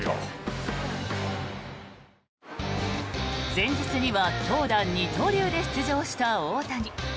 前日には投打二刀流で出場した大谷。